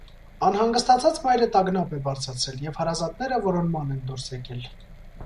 Անհանգստացած մայրը տագնապ է բարձրացրել, և հարազատները որոնման են դուրս եկել։